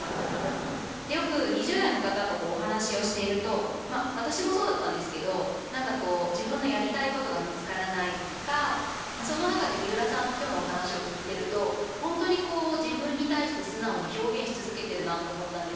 よく２０代の方とお話をしていると私もそうだったんですけどなんかこう自分のやりたいことが見つからないとかその中でみうらさんの今日のお話を聞いてるとほんとにこう自分に対して素直に表現し続けてるなと思ったんです。